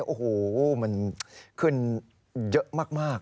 โอ้โหมันขึ้นเยอะมาก